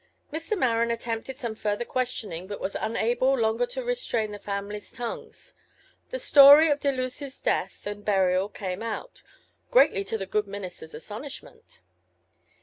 ŌĆØ Mr. Maren attempted some further questioning, but was unable longer to restrain the familyŌĆÖs tongues; the story of DeluseŌĆÖs death and burial came out, greatly to the good ministerŌĆÖs astonishment.